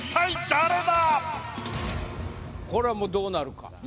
これはもうどうなるか。